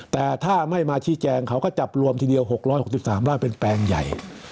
แต่ถ้าไม่มาชี้แจงเขาก็จับรวมทีเดียว๖๖๓ไร่เป็นแปลงใหญ่